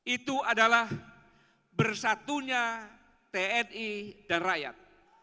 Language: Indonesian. itu adalah bersatunya tni dan rakyat